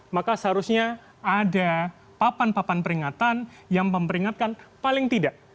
maka seharusnya ada papan papan peringatan yang memperingatkan paling tidak